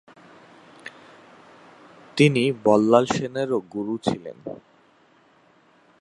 তিনি বল্লাল সেনেরও গুরু ছিলেন।